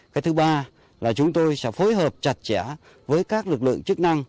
cái thứ ba là chúng tôi sẽ phối hợp chặt chẽ với các lực lượng chức năng